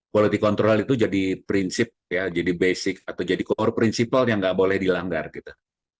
quality control itu jadi prinsip ya jadi basic atau jadi core principle yang nggak boleh dilanggar gitu